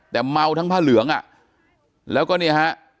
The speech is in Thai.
แต่เมาทั้งผ้าเหลืองอ่ะแล้วก็เนี่ยฮะ